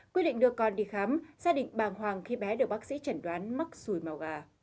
quyết định đưa con đi khám gia đình bàng hoàng khi bé được bác sĩ trần đoán mắc xùi màu gà